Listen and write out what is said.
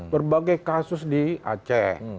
berbagai kasus di aceh